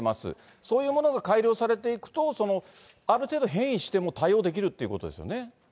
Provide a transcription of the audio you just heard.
そういうものが閣僚改良されていくと、ある程度、変異しても対応できるっていうことですよね。